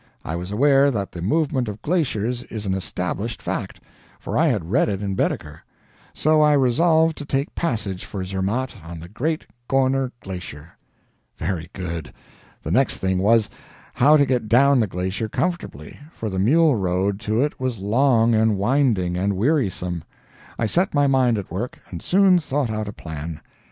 I was aware that the movement of glaciers is an established fact, for I had read it in Baedeker; so I resolved to take passage for Zermatt on the great Gorner Glacier. Very good. The next thing was, how to get down the glacier comfortably for the mule road to it was long, and winding, and wearisome. I set my mind at work, and soon thought out a plan.